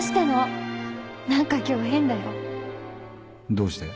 どうして？